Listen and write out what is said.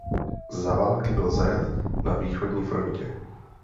Za války byl zajat na východní frontě.